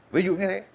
ví dụ như thế